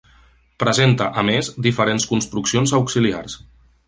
Presenta, a més, diferents construccions auxiliars.